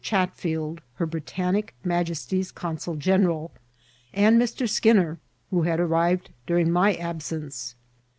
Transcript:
Chatfield, her Britannic majesty's consul general, and Mr. Skinner, who had arrived during my absence.